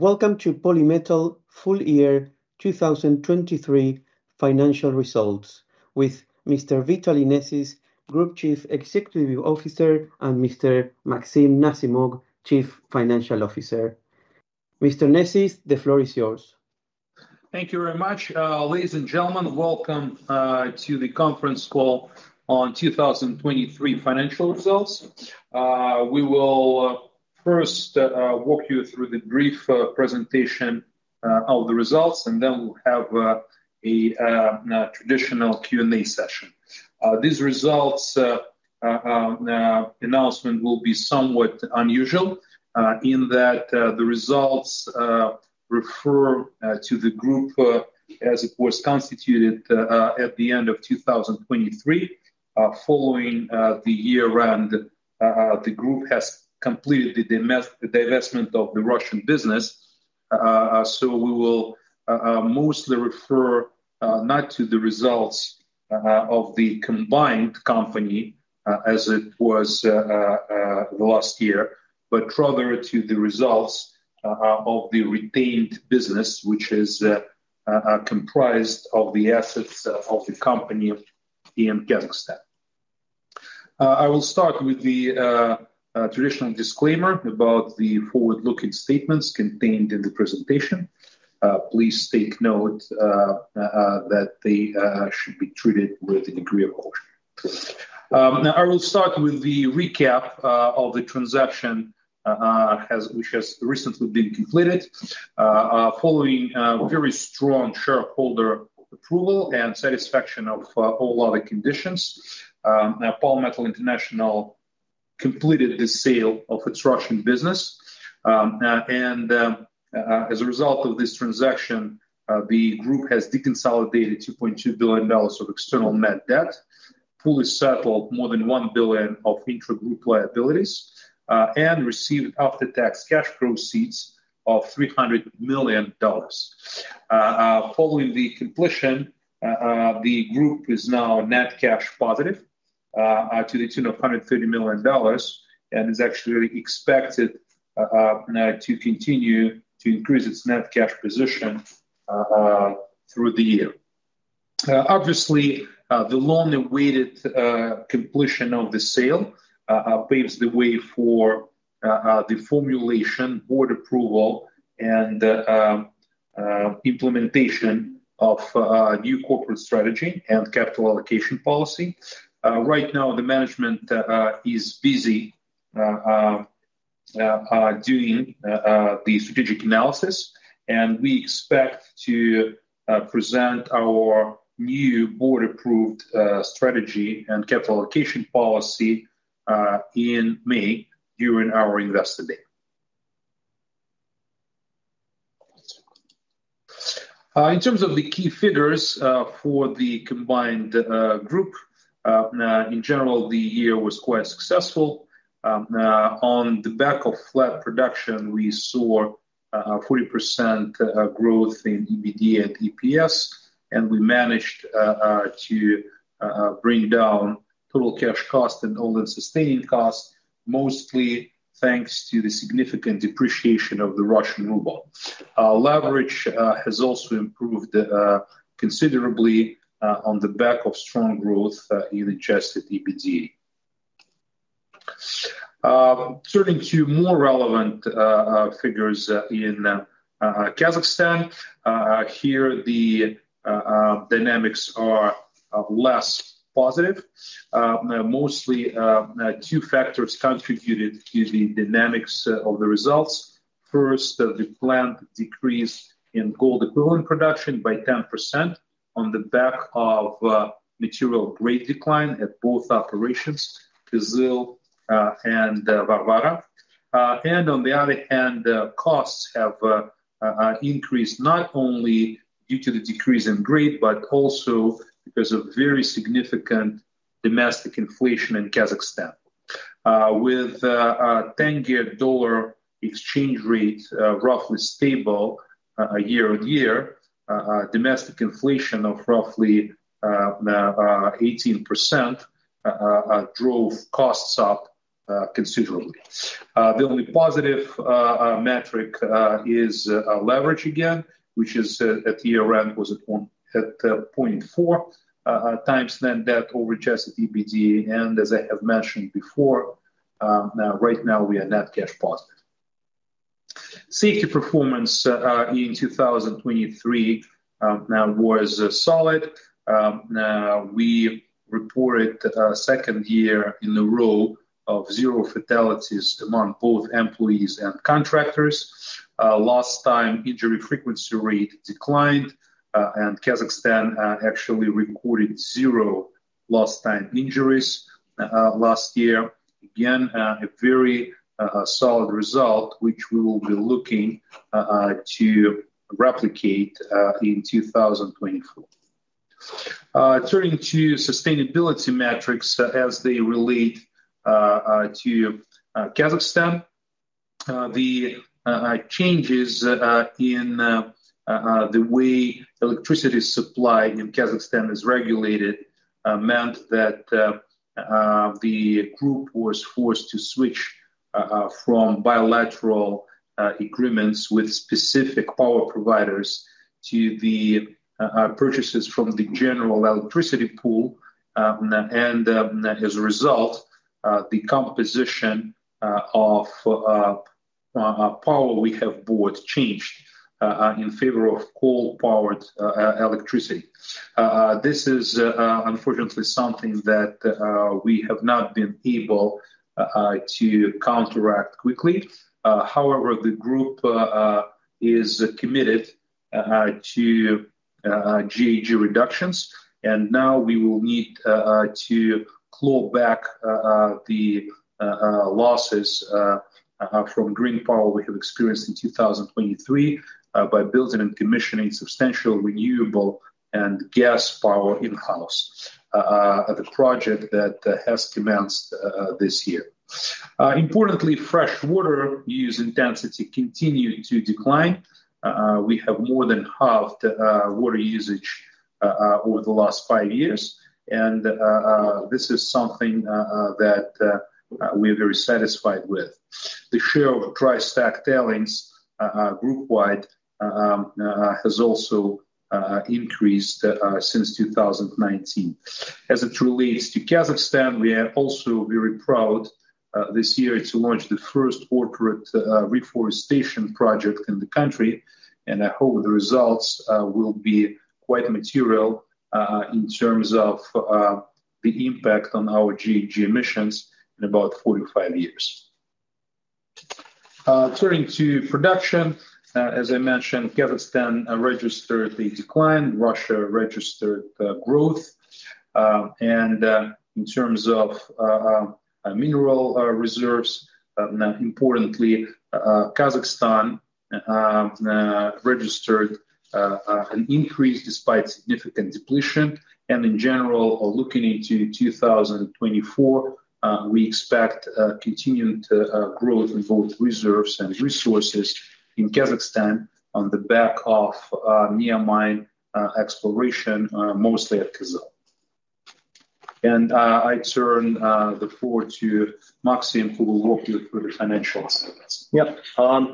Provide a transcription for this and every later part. Welcome to Polymetal Full Year 2023 Financial Results, with Mr. Vitaly Nesis, Group Chief Executive Officer, and Mr. Maxim Nazimok, Chief Financial Officer. Mr. Nesis, the floor is yours. Thank you very much. Ladies and gentlemen, welcome to the conference call on 2023 financial results. We will first walk you through the brief presentation of the results, and then we'll have a traditional Q&A session. These results' announcement will be somewhat unusual in that the results refer to the group as it was constituted at the end of 2023, following the year when the group has completed the divestment of the Russian business. So we will mostly refer not to the results of the combined company as it was the last year, but rather to the results of the retained business, which is comprised of the assets of the company in Kazakhstan. I will start with the traditional disclaimer about the forward-looking statements contained in the presentation. Please take note that they should be treated with a degree of caution. Now, I will start with the recap of the transaction which has recently been completed. Following very strong shareholder approval and satisfaction of all other conditions, Polymetal International completed the sale of its Russian business. As a result of this transaction, the group has deconsolidated $2.2 billion of external net debt, fully settled more than $1 billion of intra-group liabilities, and received after-tax cash proceeds of $300 million. Following the completion, the group is now net cash positive to the tune of $130 million and is actually expected to continue to increase its net cash position through the year. Obviously, the long-awaited completion of the sale paves the way for the formulation, board approval, and implementation of new corporate strategy and capital allocation policy. Right now, the management is busy doing the strategic analysis, and we expect to present our new board-approved strategy and capital allocation policy in May during our investor day. In terms of the key figures for the combined group, in general, the year was quite successful. On the back of flat production, we saw 40% growth in EBITDA and EPS, and we managed to bring down total cash cost and all-in sustaining costs, mostly thanks to the significant depreciation of the Russian ruble. Leverage has also improved considerably on the back of strong growth in adjusted EBITDA. Turning to more relevant figures in Kazakhstan, here, the dynamics are less positive. Mostly, two factors contributed to the dynamics of the results. First, the planned decrease in gold equivalent production by 10% on the back of material grade decline at both operations, Kyzyl and Varvara. And on the other hand, costs have increased not only due to the decrease in grade but also because of very significant domestic inflation in Kazakhstan. With a 10-year dollar exchange rate roughly stable year-over-year, domestic inflation of roughly 18% drove costs up considerably. The only positive metric is leverage again, which at year-end was at 0.4x net debt over Adjusted EBITDA. And as I have mentioned before, right now, we are net cash positive. Safety performance in 2023 was solid. We reported second year in a row of zero fatalities among both employees and contractors. Lost-time injury frequency rate declined, and Kazakhstan actually recorded zero lost-time injuries last year. Again, a very solid result, which we will be looking to replicate in 2024. Turning to sustainability metrics as they relate to Kazakhstan, the changes in the way electricity supply in Kazakhstan is regulated meant that the group was forced to switch from bilateral agreements with specific power providers to the purchases from the general electricity pool. And as a result, the composition of power we have bought changed in favor of coal-powered electricity. This is, unfortunately, something that we have not been able to counteract quickly. However, the group is committed to GHG reductions, and now we will need to claw back the losses from green power we have experienced in 2023 by building and commissioning substantial renewable and gas power in-house, the project that has commenced this year. Importantly, freshwater use intensity continued to decline. We have more than halved water usage over the last five years, and this is something that we are very satisfied with. The share of dry stack tailings group-wide has also increased since 2019. As it relates to Kazakhstan, we are also very proud this year to launch the first orchard reforestation project in the country. I hope the results will be quite material in terms of the impact on our GHG emissions in about 45 years. Turning to production, as I mentioned, Kazakhstan registered a decline. Russia registered growth. In terms of mineral reserves, importantly, Kazakhstan registered an increase despite significant depletion. In general, looking into 2024, we expect continued growth in both reserves and resources in Kazakhstan on the back of near-mine exploration, mostly at Kyzyl. I turn the floor to Maxim, who will walk you through the financial statements. Yep.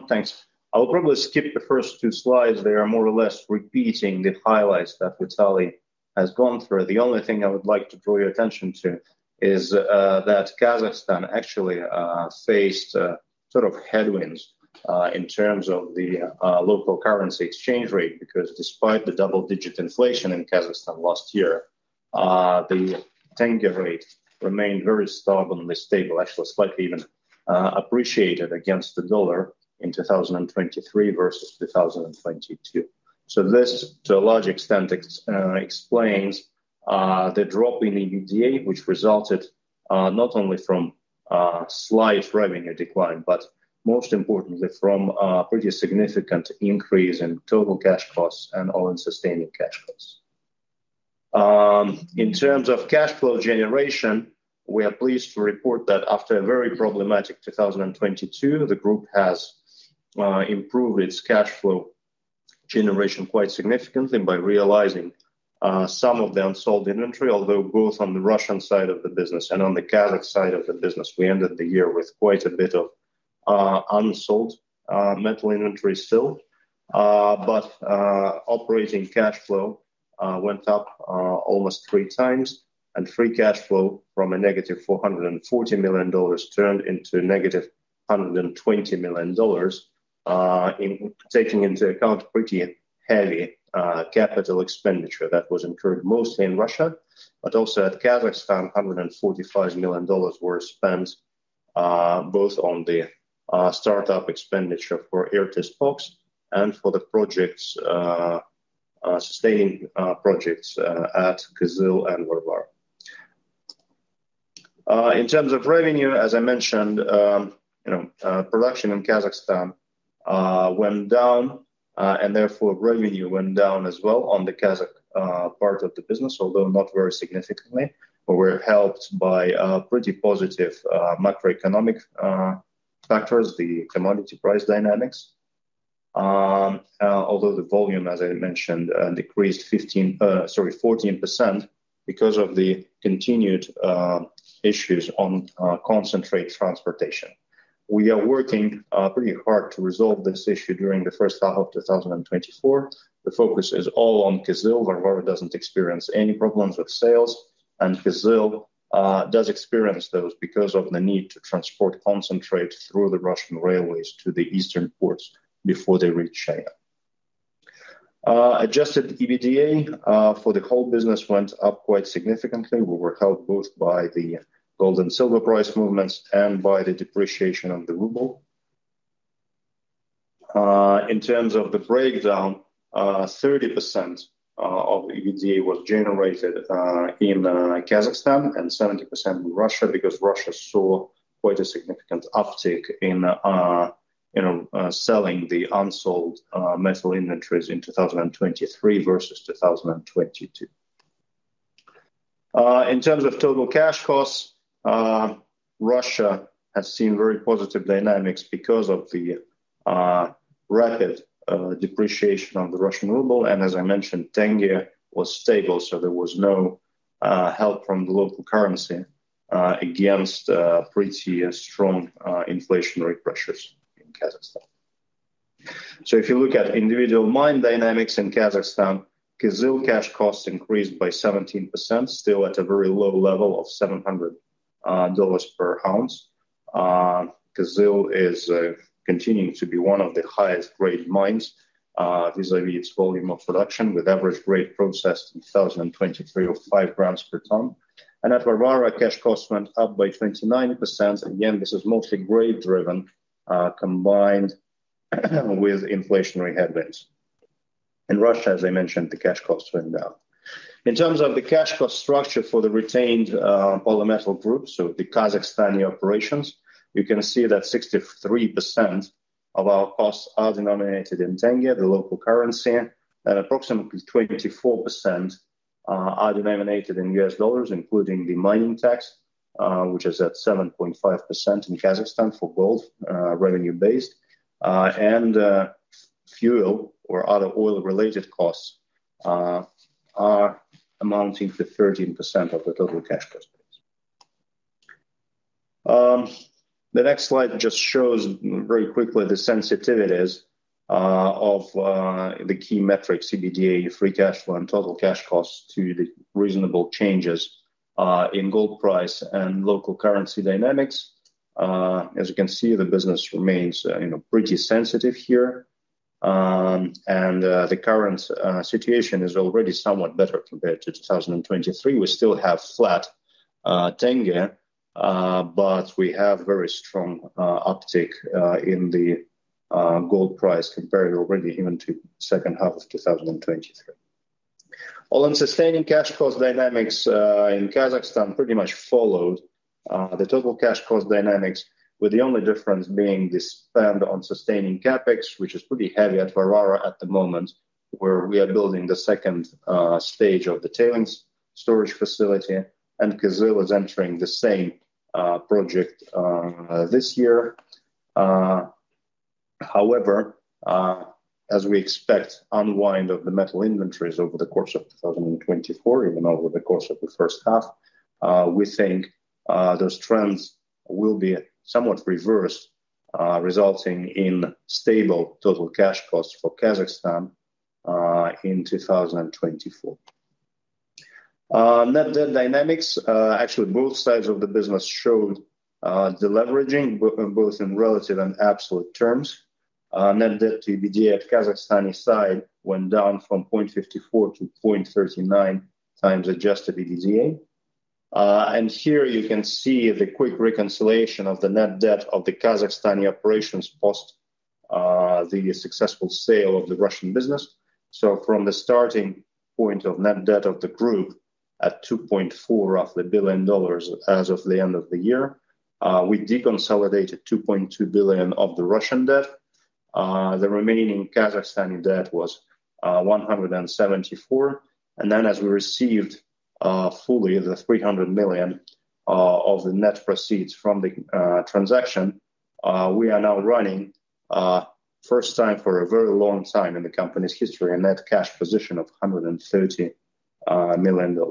Thanks. I will probably skip the first two slides. They are more or less repeating the highlights that Vitaly has gone through. The only thing I would like to draw your attention to is that Kazakhstan actually faced sort of headwinds in terms of the local currency exchange rate because despite the double-digit inflation in Kazakhstan last year, the KZT rate remained very stubbornly stable, actually slightly even appreciated against the US dollar in 2023 versus 2022. So this, to a large extent, explains the drop in EBITDA, which resulted not only from slight revenue decline but, most importantly, from a pretty significant increase in total cash costs and all-in sustaining cash costs. In terms of cash flow generation, we are pleased to report that after a very problematic 2022, the group has improved its cash flow generation quite significantly by realizing some of the unsold inventory, although both on the Russian side of the business and on the Kazakh side of the business, we ended the year with quite a bit of unsold metal inventory still. But operating cash flow went up almost three times, and free cash flow from a negative $440 million turned into negative $120 million, taking into account pretty heavy capital expenditure that was incurred mostly in Russia. But also at Kazakhstan, $145 million were spent both on the startup expenditure for Ertis POX and for the sustaining projects at Kyzyl and Varvara. In terms of revenue, as I mentioned, production in Kazakhstan went down, and therefore, revenue went down as well on the Kazakh part of the business, although not very significantly. But we're helped by pretty positive macroeconomic factors, the commodity price dynamics, although the volume, as I mentioned, decreased 15, sorry, 14% because of the continued issues on concentrate transportation. We are working pretty hard to resolve this issue during the first half of 2024. The focus is all on Kyzyl. Varvara doesn't experience any problems with sales, and Kyzyl does experience those because of the need to transport concentrate through the Russian Railways to the eastern ports before they reach China. Adjusted EBITDA for the whole business went up quite significantly. We were helped both by the gold and silver price movements and by the depreciation of the ruble. In terms of the breakdown, 30% of EBITDA was generated in Kazakhstan and 70% in Russia because Russia saw quite a significant uptick in selling the unsold metal inventories in 2023 versus 2022. In terms of total cash costs, Russia has seen very positive dynamics because of the rapid depreciation of the Russian ruble. As I mentioned, KZT was stable, so there was no help from the local currency against pretty strong inflationary pressures in Kazakhstan. If you look at individual mine dynamics in Kazakhstan, Kyzyl cash costs increased by 17%, still at a very low level of $700 per ounce. Kyzyl is continuing to be one of the highest-grade mines vis-à-vis its volume of production, with average grade processed in 2023 of five grams per ton. At Varvara, cash costs went up by 29%. Again, this is mostly grade-driven combined with inflationary headwinds. In Russia, as I mentioned, the cash costs went down. In terms of the cash cost structure for the retained Polymetal Group, so the Kazakhstani operations, you can see that 63% of our costs are denominated in KZT, the local currency, and approximately 24% are denominated in US dollars, including the mining tax, which is at 7.5% in Kazakhstan for gold revenue-based. Fuel or other oil-related costs are amounting to 13% of the total cash cost base. The next slide just shows very quickly the sensitivities of the key metrics, EBITDA, free cash flow, and total cash costs, to the reasonable changes in gold price and local currency dynamics. As you can see, the business remains pretty sensitive here. The current situation is already somewhat better compared to 2023. We still have flat 10-year, but we have very strong uptick in the gold price compared already even to second half of 2023. All-in sustaining cash cost dynamics in Kazakhstan pretty much followed the total cash cost dynamics, with the only difference being the spend on sustaining CapEx, which is pretty heavy at Varvara at the moment, where we are building the second stage of the tailings storage facility. Kyzyl is entering the same project this year. However, as we expect unwind of the metal inventories over the course of 2024, even over the course of the first half, we think those trends will be somewhat reversed, resulting in stable total cash costs for Kazakhstan in 2024. Net debt dynamics, actually, both sides of the business showed the leveraging both in relative and absolute terms. Net debt to EBITDA at Kazakhstani side went down from 0.54 to 0.39 times adjusted EBITDA. Here, you can see the quick reconciliation of the net debt of the Kazakhstani operations post the successful sale of the Russian business. So from the starting point of net debt of the group at $2.4 billion roughly as of the end of the year, we deconsolidated $2.2 billion of the Russian debt. The remaining Kazakhstani debt was $174 million. And then, as we received fully the $300 million of the net proceeds from the transaction, we are now running, first time for a very long time in the company's history, a net cash position of $130 million. In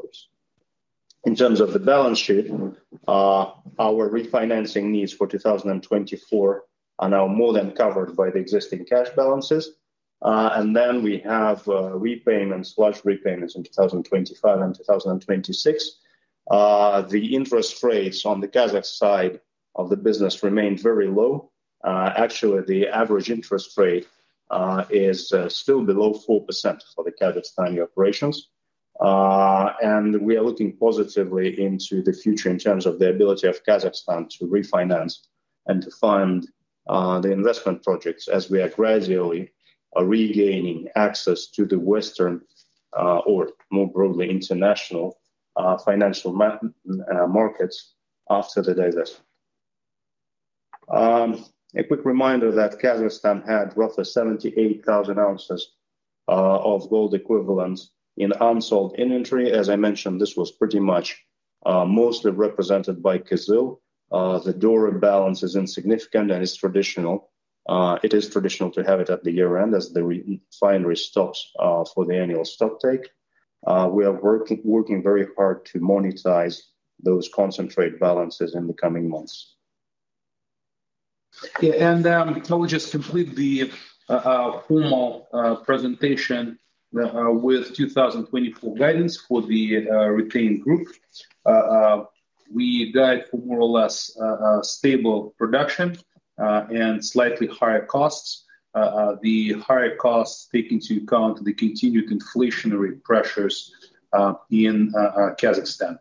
terms of the balance sheet, our refinancing needs for 2024 are now more than covered by the existing cash balances. We have large repayments in 2025 and 2026. The interest rates on the Kazakh side of the business remained very low. Actually, the average interest rate is still below 4% for the Kazakhstani operations. We are looking positively into the future in terms of the ability of Kazakhstan to refinance and to fund the investment projects as we are gradually regaining access to the Western or, more broadly, international financial markets after the divestment. A quick reminder that Kazakhstan had roughly 78,000 ounces of gold equivalents in unsold inventory. As I mentioned, this was pretty much mostly represented by Kyzyl. The Doré balance is insignificant, and it is traditional to have it at the year-end as the refinery stops for the annual stocktake. We are working very hard to monetize those concentrate balances in the coming months. Yeah. I will just complete the formal presentation with 2024 guidance for the retained group. We guide for more or less stable production and slightly higher costs, the higher costs taking into account the continued inflationary pressures in Kazakhstan.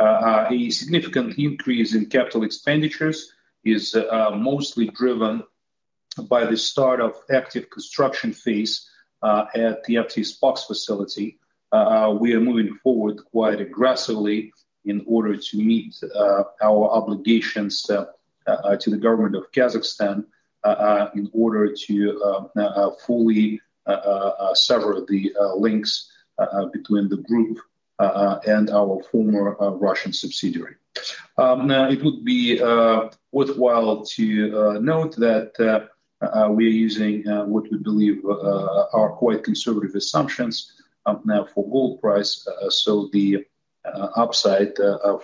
A significant increase in capital expenditures is mostly driven by the start of active construction phase at the Ertis POX facility. We are moving forward quite aggressively in order to meet our obligations to the government of Kazakhstan in order to fully sever the links between the group and our former Russian subsidiary. Now, it would be worthwhile to note that we are using what we believe are quite conservative assumptions for gold price. So the upside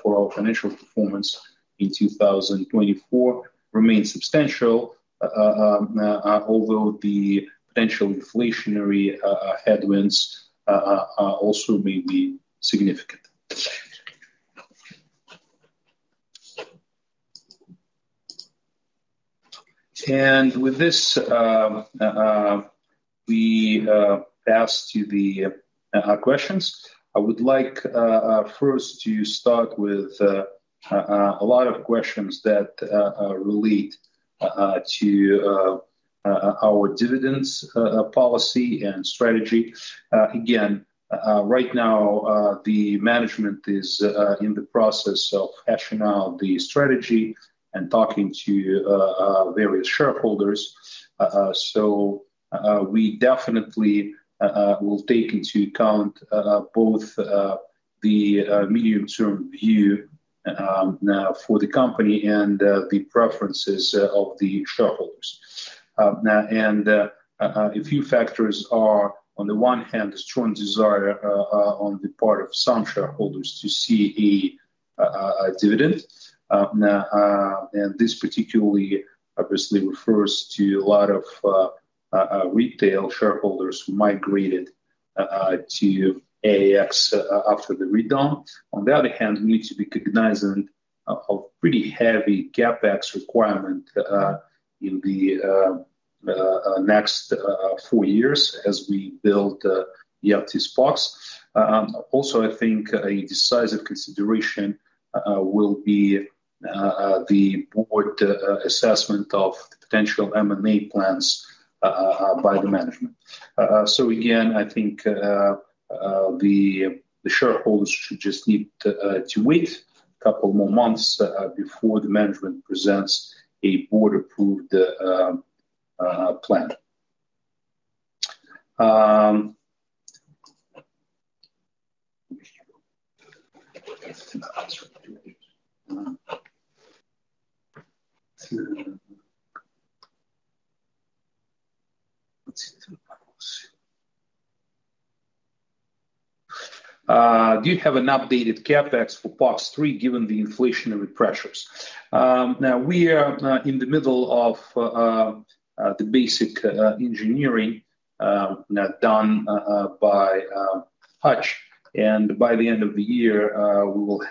for our financial performance in 2024 remains substantial, although the potential inflationary headwinds also may be significant. With this, we pass to our questions. I would like first to start with a lot of questions that relate to our dividends policy and strategy. Again, right now, the management is in the process of hashing out the strategy and talking to various shareholders. So we definitely will take into account both the medium-term view for the company and the preferences of the shareholders. And a few factors are, on the one hand, a strong desire on the part of some shareholders to see a dividend. And this particularly, obviously, refers to a lot of retail shareholders who migrated to AAX after the rebound. On the other hand, we need to be recognizing a pretty heavy CapEx requirement in the next four years as we build the Ertis POX. Also, I think a decisive consideration will be the board assessment of potential M&A plans by the management. So again, I think the shareholders should just need to wait a couple more months before the management presents a board-approved plan. Do you have an updated CapEx for Box 3 given the inflationary pressures? Now, we are in the middle of the basic engineering done by Hatch. And by the end of the year, we will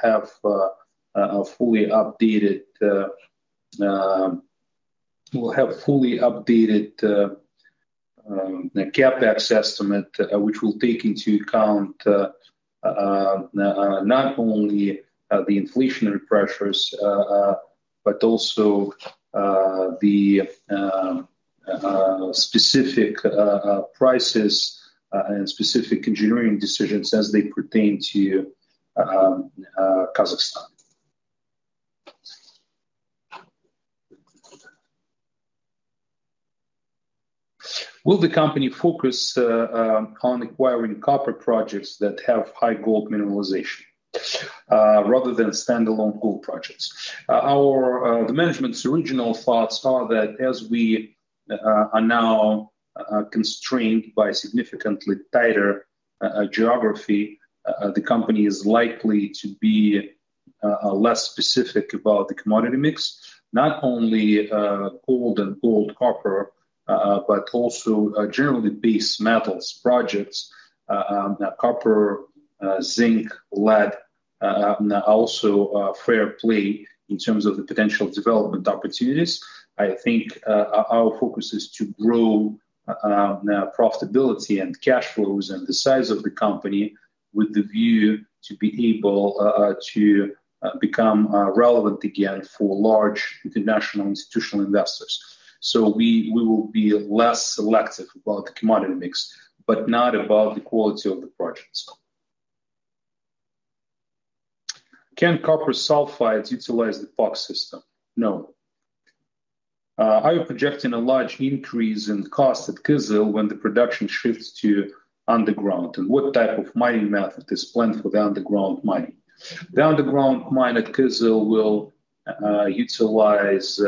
have a fully updated CapEx estimate, which will take into account not only the inflationary pressures but also the specific prices and specific engineering decisions as they pertain to Kazakhstan. Will the company focus on acquiring copper projects that have high gold mineralization rather than standalone gold projects? The management's original thoughts are that as we are now constrained by a significantly tighter geography, the company is likely to be less specific about the commodity mix, not only gold and gold-copper but also generally base metals projects, copper, zinc, lead, also fair play in terms of the potential development opportunities. I think our focus is to grow profitability and cash flows and the size of the company with the view to be able to become relevant again for large international institutional investors. So we will be less selective about the commodity mix but not about the quality of the projects. Can copper sulfides utilize the Box system? No. Are you projecting a large increase in cost at Kyzyl when the production shifts to underground? And what type of mining method is planned for the underground mining? The underground mine at Kyzyl will utilize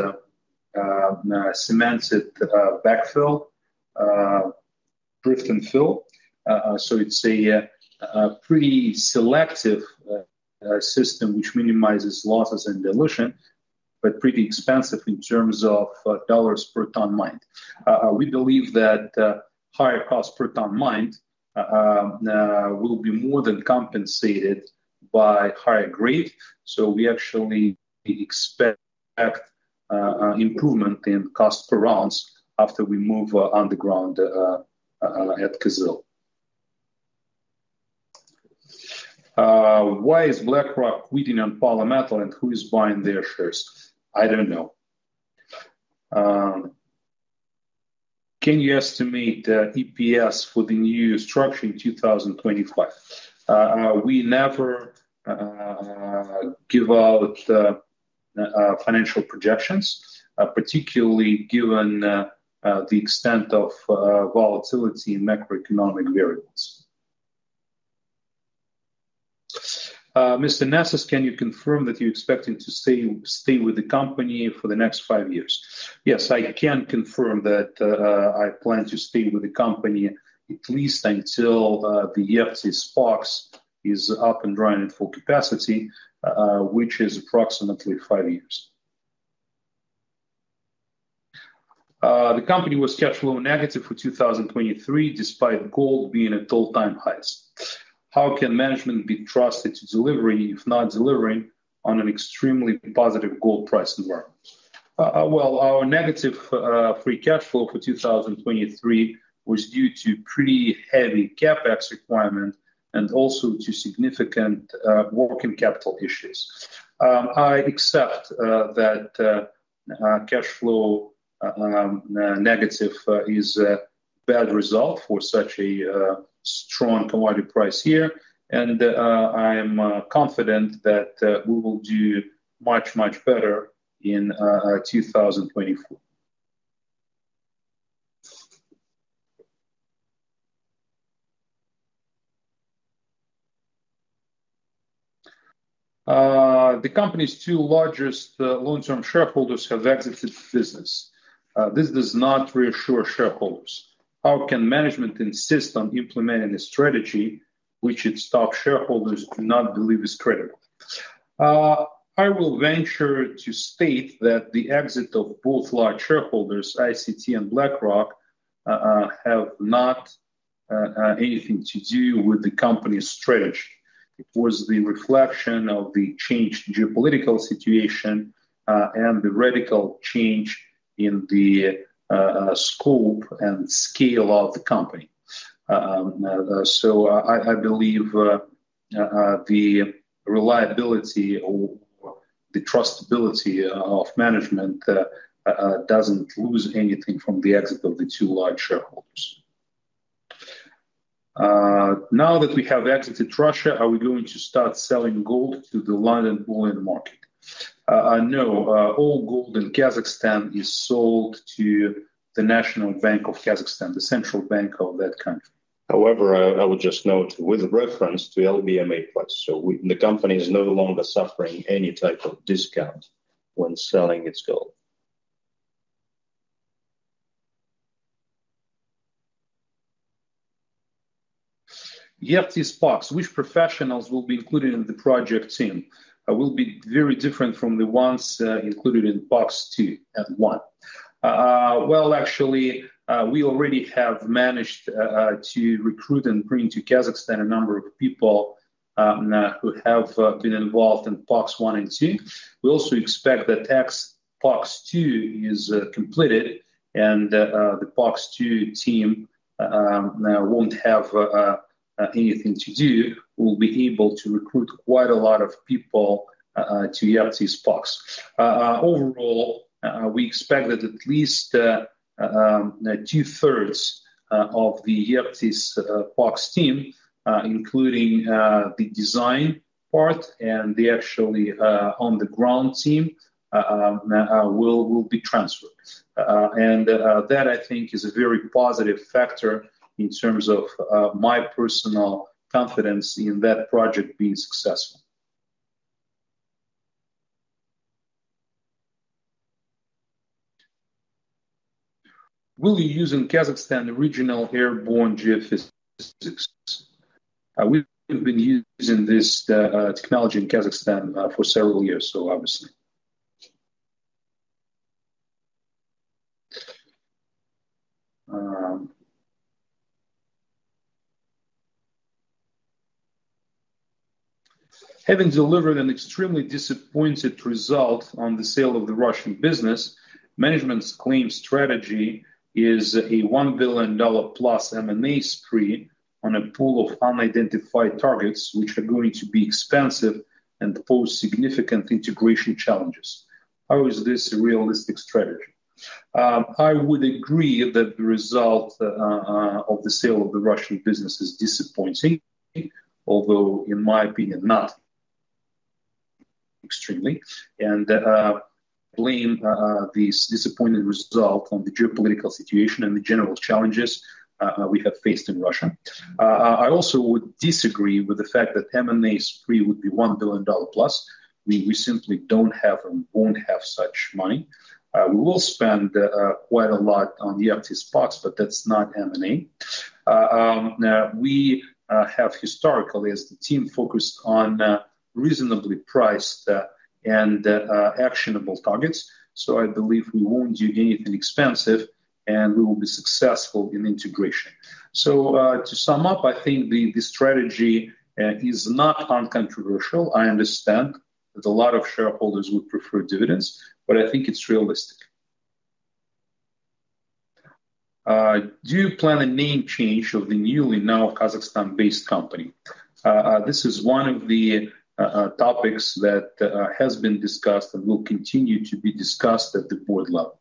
cemented backfill, drift and fill. So it's a pretty selective system, which minimizes losses and dilution but pretty expensive in terms of dollars per ton mined. We believe that higher cost per ton mined will be more than compensated by higher grade. So we actually expect improvement in cost per ounce after we move underground at Kyzyl. Why is BlackRock quitting on Polymetal, and who is buying their shares? I don't know. Can you estimate EPS for the new structure in 2025? We never give out financial projections, particularly given the extent of volatility and macroeconomic variables. Mr. Nesis, can you confirm that you're expecting to stay with the company for the next five years? Yes, I can confirm that I plan to stay with the company at least until the Ertis POX is up and running full capacity, which is approximately five years. The company was cash flow negative for 2023 despite gold being at all-time highs. How can management be trusted to deliver if not delivering on an extremely positive gold price environment? Well, our negative free cash flow for 2023 was due to pretty heavy CapEx requirement and also to significant working capital issues. I accept that cash flow negative is a bad result for such a strong commodity price here. I am confident that we will do much, much better in 2024. The company's two largest long-term shareholders have exited the business. This does not reassure shareholders. How can management insist on implementing a strategy which its top shareholders do not believe is credible? I will venture to state that the exit of both large shareholders, ICT and BlackRock, have not anything to do with the company's strategy. It was the reflection of the changed geopolitical situation and the radical change in the scope and scale of the company. So I believe the reliability or the trustability of management doesn't lose anything from the exit of the two large shareholders. Now that we have exited Russia, are we going to start selling gold to the London bullion market? No. All gold in Kazakhstan is sold to the National Bank of Kazakhstan, the central bank of that country. However, I would just note with reference to LBMA price. So the company is no longer suffering any type of discount when selling its gold. Ertis POX, which professionals will be included in the project team will be very different from the ones included in Box 2 and 1? Well, actually, we already have managed to recruit and bring to Kazakhstan a number of people who have been involved in Box one and 2. We also expect that as Box 2 is completed and the Box 2 team won't have anything to do, we'll be able to recruit quite a lot of people to Ertis POX. Overall, we expect that at least two-thirds of the Ertis POX team, including the design part and the actually underground team, will be transferred. And that, I think, is a very positive factor in terms of my personal confidence in that project being successful. Will you be using Kazakhstan original airborne geophysics? We've been using this technology in Kazakhstan for several years, so obviously. Having delivered an extremely disappointed result on the sale of the Russian business, management's claimed strategy is a $1 billion+ M&A spree on a pool of unidentified targets, which are going to be expensive and pose significant integration challenges. How is this a realistic strategy? I would agree that the result of the sale of the Russian business is disappointing, although, in my opinion, not extremely, and blame this disappointing result on the geopolitical situation and the general challenges we have faced in Russia. I also would disagree with the fact that M&A spree would be $1 billion+. We simply don't have and won't have such money. We will spend quite a lot on the Ertis POX, but that's not M&A. We have historically, as the team, focused on reasonably priced and actionable targets. So I believe we won't do anything expensive, and we will be successful in integration. To sum up, I think the strategy is not uncontroversial. I understand that a lot of shareholders would prefer dividends, but I think it's realistic. Do you plan a name change of the newly now Kazakhstan-based company? This is one of the topics that has been discussed and will continue to be discussed at the board level.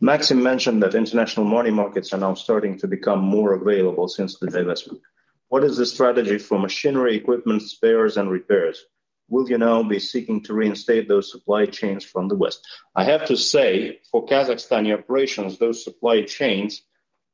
Maxim mentioned that international money markets are now starting to become more available since the divestment. What is the strategy for machinery, equipment, spares, and repairs? Will you now be seeking to reinstate those supply chains from the West? I have to say, for Kazakhstan operations, those supply chains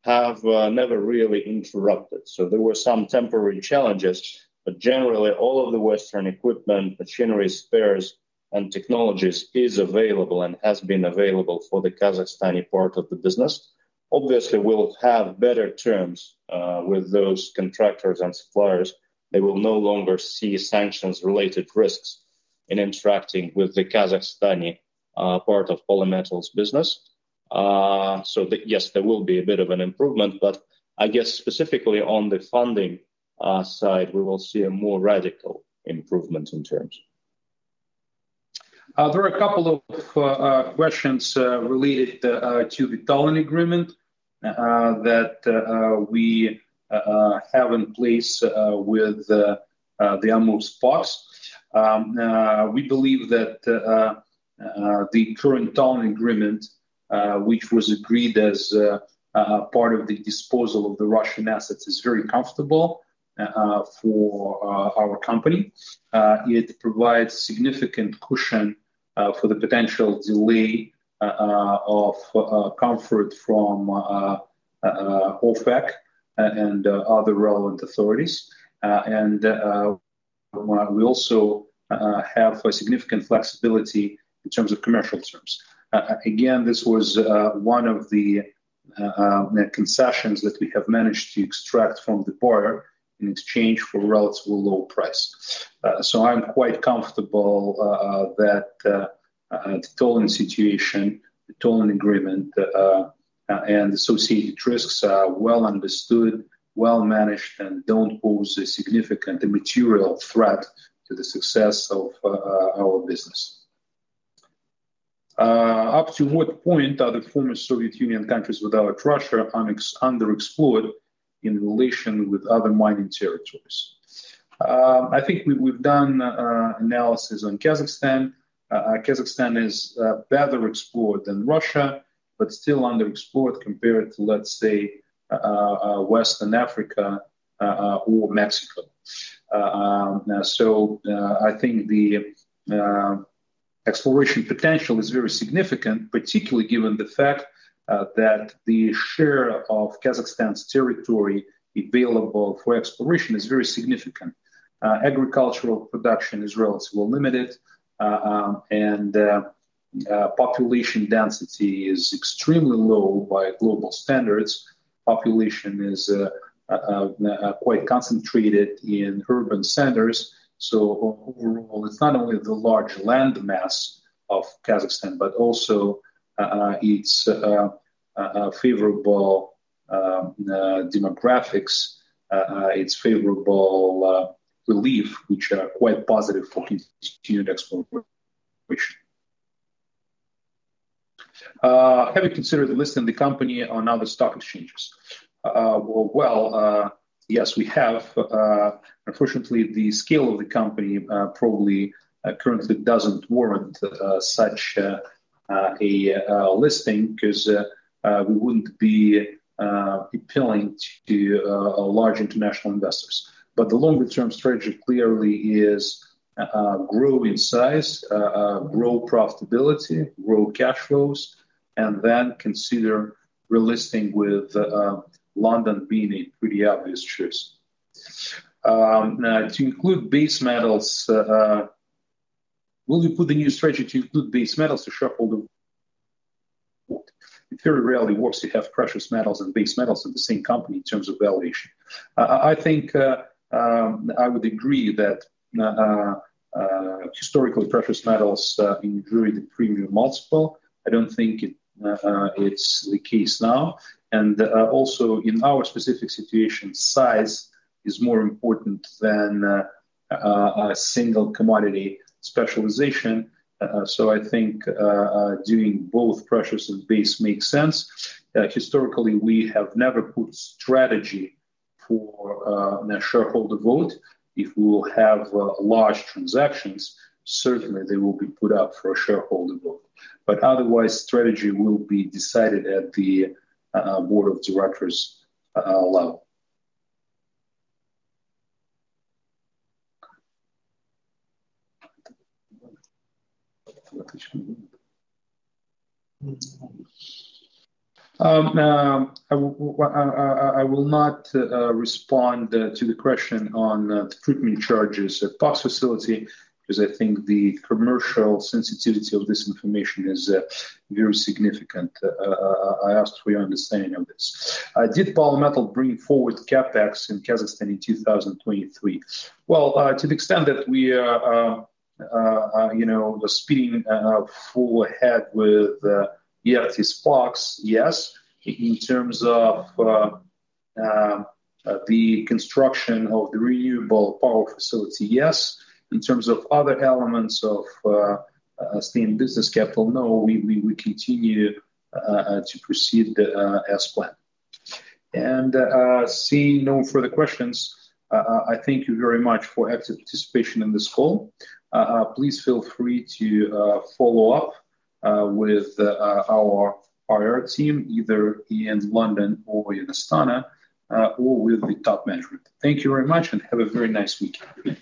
have never really interrupted. So there were some temporary challenges. But generally, all of the Western equipment, machinery, spares, and technologies is available and has been available for the Kazakhstani part of the business. Obviously, we'll have better terms with those contractors and suppliers. They will no longer see sanctions-related risks in interacting with the Kazakhstani part of Polymetal's business. So yes, there will be a bit of an improvement. But I guess, specifically on the funding side, we will see a more radical improvement in terms. There are a couple of questions related to the Tolling Agreement that we have in place with the Amursk POX. We believe that the current Tolling Agreement, which was agreed as part of the disposal of the Russian assets, is very comfortable for our company. It provides significant cushion for the potential delay of comfort from OFAC and other relevant authorities. We also have significant flexibility in terms of commercial terms. Again, this was one of the concessions that we have managed to extract from the buyer in exchange for a relatively low price. So I'm quite comfortable that the Tolling situation, the Tolling Agreement, and associated risks are well understood, well managed, and don't pose a significant, immaterial threat to the success of our business. Up to what point are the former Soviet Union countries without Russia underexplored in relation with other mining territories? I think we've done analysis on Kazakhstan. Kazakhstan is better explored than Russia but still underexplored compared to, let's say, Western Africa or Mexico. So I think the exploration potential is very significant, particularly given the fact that the share of Kazakhstan's territory available for exploration is very significant. Agricultural production is relatively limited, and population density is extremely low by global standards. Population is quite concentrated in urban centers. So overall, it's not only the large land mass of Kazakhstan but also its favorable demographics, its favorable relief, which are quite positive for continued exploration. Have you considered listing the company on other stock exchanges? Well, yes, we have. Unfortunately, the scale of the company probably currently doesn't warrant such a listing because we wouldn't be appealing to large international investors. But the longer-term strategy clearly is grow in size, grow profitability, grow cash flows, and then consider relisting with London being a pretty obvious choice. To include base metals, will you put the new strategy to include base metals to shareholder? It very rarely works. You have precious metals and base metals at the same company in terms of valuation. I think I would agree that historically, precious metals enjoyed a premium multiple. I don't think it's the case now. And also, in our specific situation, size is more important than a single commodity specialization. So I think doing both precious and base makes sense. Historically, we have never put strategy for a shareholder vote. If we will have large transactions, certainly, they will be put up for a shareholder vote. But otherwise, strategy will be decided at the board of directors level. I will not respond to the question on the treatment charges at POX facility because I think the commercial sensitivity of this information is very significant. I asked for your understanding of this. Did Polymetal bring forward CapEx in Kazakhstan in 2023? Well, to the extent that we are speeding forward ahead with Ertis POX, yes. In terms of the construction of the renewable power facility, yes. In terms of other elements of staying business capital, no. We continue to proceed as planned. Seeing no further questions, I thank you very much for active participation in this call. Please feel free to follow up with our IR team, either in London or in Astana or with the top management. Thank you very much, and have a very nice weekend.